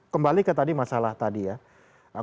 kembali ke tadi masalah tadi ya